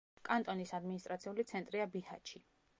კანტონის ადმინისტრაციული ცენტრია ბიჰაჩი.